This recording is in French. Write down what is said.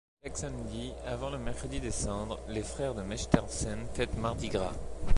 Chaque samedi avant le mercredi des Cendres, les Frères de Mechtersen fêtent Mardi gras.